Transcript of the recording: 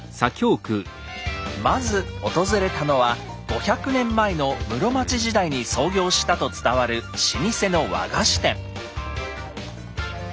まず訪れたのは５００年前の室町時代に創業したと伝わる老舗の和菓子店。